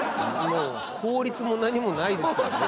もう法律も何もないですよね